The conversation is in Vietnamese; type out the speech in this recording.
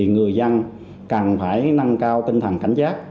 người dân cần phải nâng cao tinh thần cảnh giác